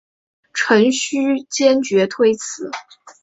陈顼坚决推辞。